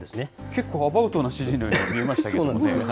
結構アバウトな指示のように見えましたけどね。